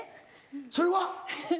それは？